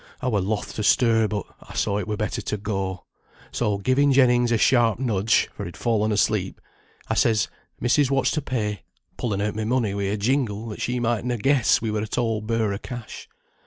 I were loath to stir, but I saw it were better to go. So giving Jennings a sharp nudge (for he'd fallen asleep), I says, 'Missis, what's to pay?' pulling out my money wi' a jingle that she might na guess we were at all bare o' cash.